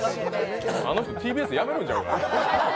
あの人ＴＢＳやめるんちゃうか？